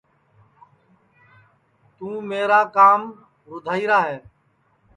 توں میرا کام رُدھائرا ہے